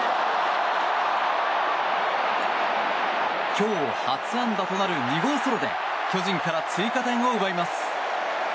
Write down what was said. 今日初安打となる２号ソロで巨人から追加点を奪います。